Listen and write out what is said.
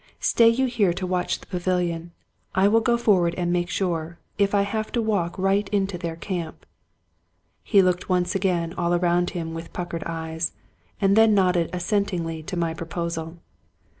Stay you here to watch the pavilion; I will go forward and make sure, if I have to walk right into their camp." He looked once again all round him with puckered eyes, and then nodded assentingly to my proposal.